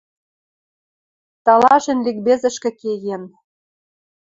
Талашен ликбезӹшкӹ кеен.